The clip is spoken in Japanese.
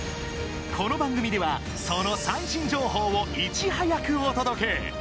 この番組ではその最新情報をいち早くお届け！